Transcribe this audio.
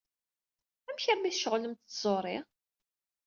Amek armi i d-tceɣlemt d tẓuri?